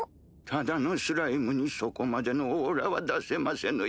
ただのスライムにそこまでのオーラは出せませぬよ。